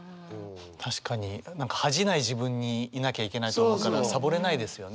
確かに恥じない自分にいなきゃいけないと思うからサボれないですよね。